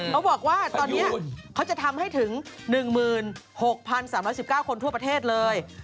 บอกว่าตอนนี้เขาจะทำให้ถึง๑๖๓๑๙คนทั่วประเทศเลย